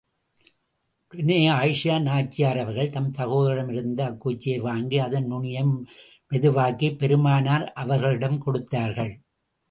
உடனே ஆயிஷா நாச்சியார் அவர்கள், தம் சகோதரரிடமிருந்து அக்குச்சியை வாங்கி, அதன் நுனியை மெதுவாக்கிப் பெருமானார் அவர்களிடம் கொடுத்தார்கள்.